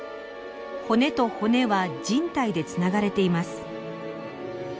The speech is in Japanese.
骨と骨はじん帯でつながれています。